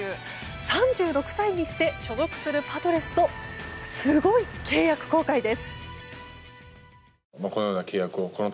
３６歳にして所属するパドレスとすごい契約更改です。